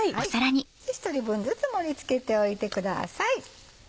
１人分ずつ盛り付けておいてください。